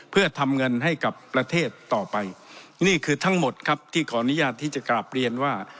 เพื่อทำเงินให้กับประเทศต่อไปนี่คือทั้งหมดครับที่ขออนุญาตที่จะกราบเรียนว่า